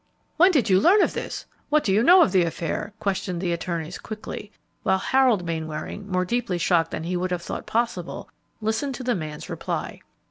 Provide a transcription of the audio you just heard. "When did you learn of this?" "What do you know of the affair?" questioned the attorneys quickly, while Harold Mainwaring, more deeply shocked than he would have thought possible, listened to the man's reply.